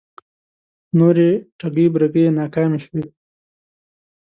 نورې ټگۍ برگۍ یې ناکامې شوې